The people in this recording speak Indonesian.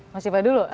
masih apa dulu